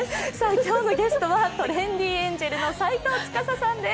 今日のゲストはトレンディエンジェルの斎藤司さんです。